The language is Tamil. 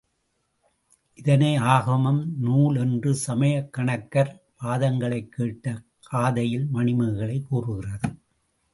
இதனை ஆகமம், நூல் என்று சமயக்கணக்கர் வாதங்களைக் கேட்ட காதையில் மணிமேகலை கூறுகிறது.